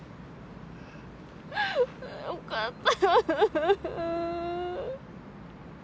よかった。